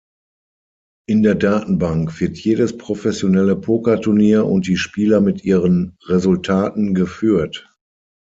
In der Datenbank wird jedes professionelle Pokerturnier und die Spieler mit ihren Resultaten geführt.